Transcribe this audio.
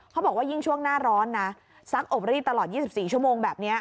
บอกว่ายิ่งช่วงหน้าร้อนนะซักอบรีดตลอด๒๔ชั่วโมงแบบนี้